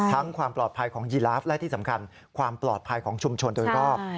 ความปลอดภัยของยีลาฟและที่สำคัญความปลอดภัยของชุมชนโดยรอบ